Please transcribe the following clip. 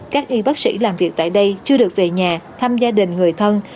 các y bác sĩ làm việc tại đây chưa được về nhà thăm gia đình người thân